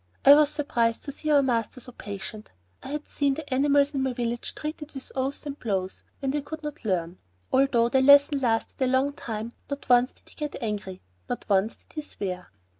I was surprised to see our master so patient. I had seen the animals in my village treated with oaths and blows when they could not learn. Although the lesson lasted a long time, not once did he get angry, not once did he swear.